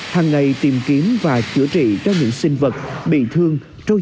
hằng ngày tìm kiếm và chữa trị cho những sinh vật biển